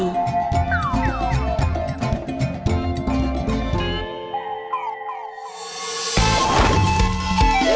สวัสดีพ่อแม่พี่น้อง